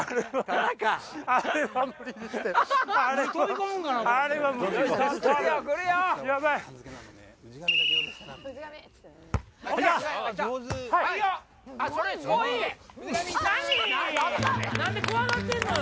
何ぃ⁉何で怖がってんのよ！